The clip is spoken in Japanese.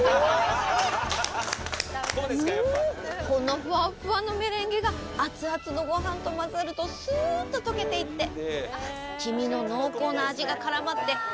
このフワフワのメレンゲが熱々のご飯と混ざるとスーッと溶けていって黄身の濃厚な味が絡まって。